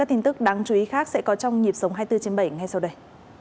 tiếp tục đáng chú ý khác sẽ có trong dịp sống hai mươi bốn trên bảy ngay sau đây